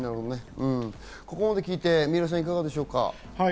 ここまで聞いて、三浦さんいかがでしょう？